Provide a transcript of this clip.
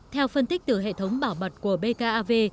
theo phân tích từ hệ thống bảo mật của bkav